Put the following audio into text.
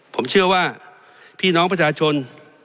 ผมเชื่อว่าพี่น้องประชาชน